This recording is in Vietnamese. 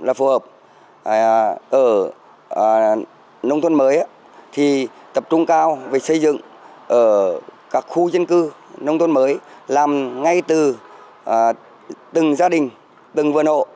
là phù hợp ở nông thôn mới thì tập trung cao về xây dựng ở các khu dân cư nông thôn mới làm ngay từ từng gia đình từng vườn hộ